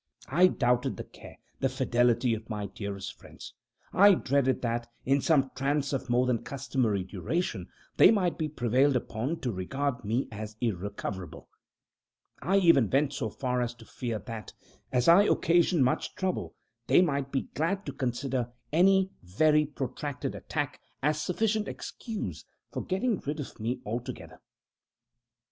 I doubted the care, the fidelity of my dearest friends. I dreaded that, in some trance of more than customary duration, they might be prevailed upon to regard me as irrecoverable. I even went so far as to fear that, as I occasioned much trouble, they might be glad to consider any very protracted attack as sufficient excuse for getting rid of me altogether.